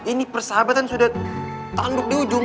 ini persahabatan sudah tanduk di ujung